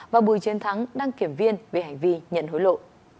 và bùi chiến thắng đăng kiểm viên về hành vi nhận hối lộ